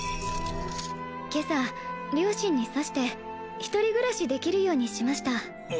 今朝両親に刺して一人暮らしできるようにしました